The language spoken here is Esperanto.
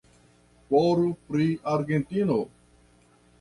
Ploru pri Argentino!